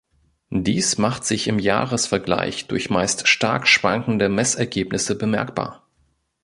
Dies macht sich im Jahresvergleich durch meist stark schwankende Messergebnisse bemerkbar.